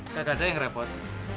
gak ada yang repot